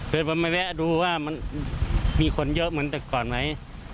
ไปแวะดูว่ามีคนเยอะเหมือนแต่ก่อนไว้